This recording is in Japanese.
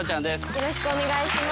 よろしくお願いします。